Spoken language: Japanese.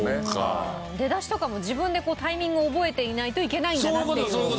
出だしとかも自分でタイミング覚えていないといけないんだなっていう。